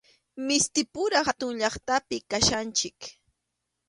Mistipura hatun llaqtapim kachkanchik.